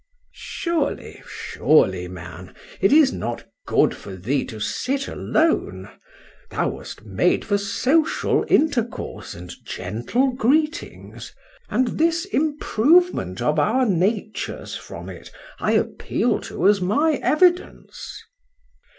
—Surely,—surely, man! it is not good for thee to sit alone:—thou wast made for social intercourse and gentle greetings; and this improvement of our natures from it I appeal to as my evidence.